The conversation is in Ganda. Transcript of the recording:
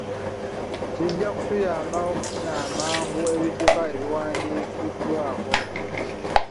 Kijja kutuyamba okufuna amangu ebidduka ebiwandiikiddwako.